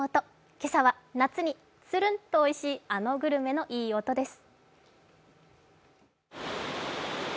今朝は夏につるんとおいしいあのグルメのいい音です。